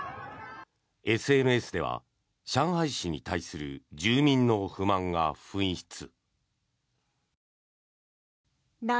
ＳＮＳでは上海市に対する住民の不満が噴出。